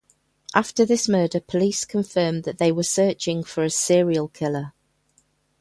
After this murder police confirmed that they were searching for a serial killer.